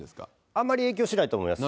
あんまり影響しないと思います。